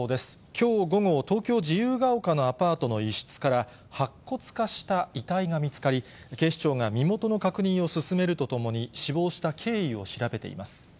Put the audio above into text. きょう午後、東京・自由が丘のアパートの一室から、白骨化した遺体が見つかり、警視庁が身元の確認を進めるとともに、死亡した経緯を調べています。